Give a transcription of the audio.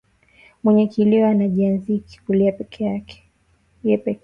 Mwenye kilio anajianziaka kulia yepeke